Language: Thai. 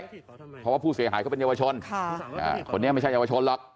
เพราะว่าผู้เสียหายเขาเป็นเยาวชนคนนี้ไม่ใช่เยาวชนหรอก